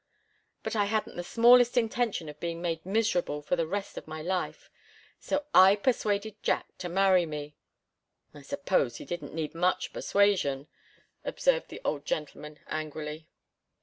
But I hadn't the smallest intention of being made miserable for the rest of my life, so I persuaded Jack to marry me " "I suppose he didn't need much persuasion," observed the old gentleman, angrily.